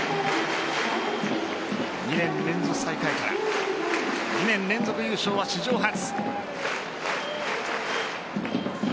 ２年連続最下位から２年連続優勝は史上初。